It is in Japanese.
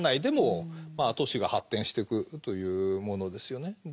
でも都市が発展してくというものですよね。